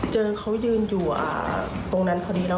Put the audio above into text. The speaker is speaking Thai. เจมส์เขายืนอยู่ตรงนั้นพอดีแล้ว